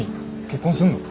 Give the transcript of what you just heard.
結婚すんの？